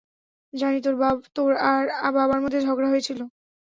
জানি তোর আর বাবার মধ্যে ঝগড়া হয়েছিলো।